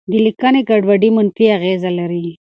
د لیکنې ګډوډي منفي اغېزه لري.